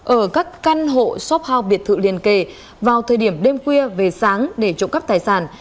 ở các căn hộ shop house biệt thự liền kề vào thời điểm đêm khuya về sáng để trộm cắp tài sản